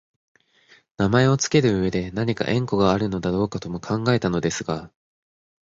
名前をつける上でなにか縁故があるのだろうかとも考えたのですが、